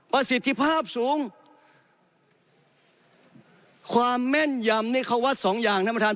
ประสิทธิภาพสูงความแม่นยำนี่เขาวัดสองอย่างท่านประธาน